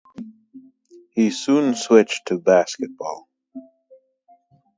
He soon switched to baseball.